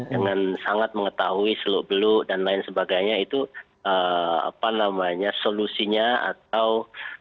dengan sangat mengetahui seluk beluk dan lain sebagainya itu apa namanya solusinya atau